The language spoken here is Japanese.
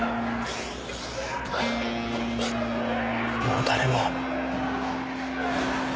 もう誰も。